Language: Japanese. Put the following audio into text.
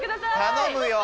頼むよ。